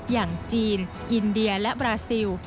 อย่างจีนอินเดียและบราซิล